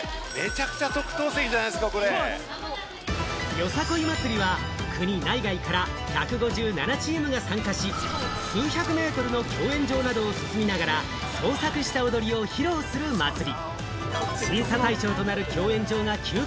よさこい祭りは国内外から１５７チームが参加し、数百メートルの競演場などを進みながら創作した踊りを披露する祭り。